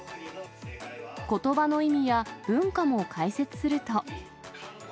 ことばの意味や文化も解説すると。